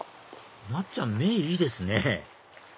なっちゃん目いいですね